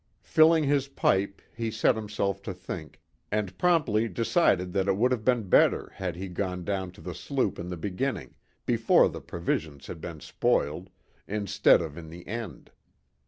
Filling his pipe, he set himself to think, and promptly decided that it would have been better had he gone down to the sloop in the beginning, before the provisions had been spoiled, instead of in the end.